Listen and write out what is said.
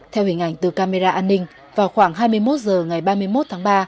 theo hình ảnh từ camera an ninh vào khoảng hai mươi một h ngày ba mươi một tháng ba